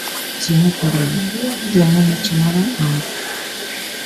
Señor Cadrado, ten unha chamada á orde.